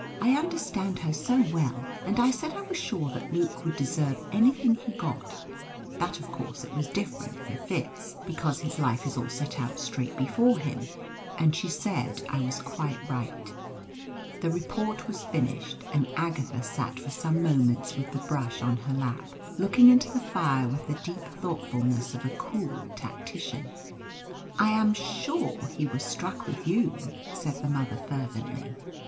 I understand her so well. And I said I was sure that Luke would deserve anything he got; that of course it was different for Fitz, because his life is all set out straight before him. And she said I was quite right." The report was finished, and Agatha sat for some moments with the brush on her lap looking into the fire with the deep thoughtfulness of a cool tactician. "I am SURE he was struck with you," said the mother fervently.